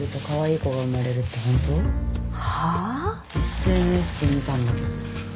ＳＮＳで見たんだけど。